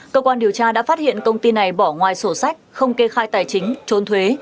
cơ quan điều tra đã phát hiện công ty này bỏ ngoài sổ sách không kê khai tài chính trốn thuế